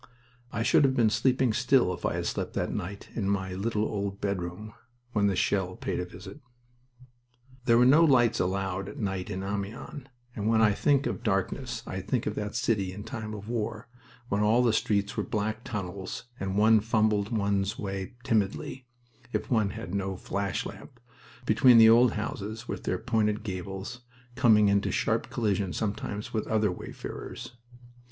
I should have been sleeping still if I had slept that night in my little old bedroom when the shell paid a visit. There were no lights allowed at night in Amiens, and when I think of darkness I think of that city in time of war, when all the streets were black tunnels and one fumbled one's way timidly, if one had no flash lamp, between the old houses with their pointed gables, coming into sharp collision sometimes with other wayfarers.